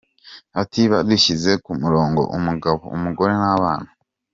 Ati “Badushyize ku murongo, umugabo, umugore n’abana.